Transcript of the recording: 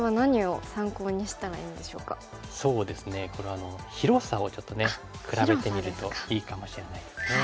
これは広さをちょっとね比べてみるといいかもしれないですね。